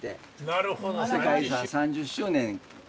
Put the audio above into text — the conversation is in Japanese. なるほど。